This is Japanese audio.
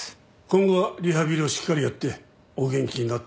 今後はリハビリをしっかりやってお元気になって頂こう。